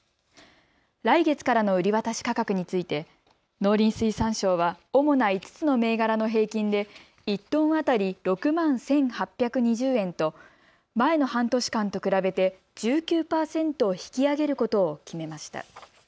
来月からの売り渡し価格について農林水産省は主な５つの銘柄の平均で１トン当たり６万１８２０円と前の半年間と比べて１９％引き上げることを決めました。